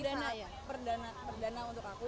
ini perdana untuk aku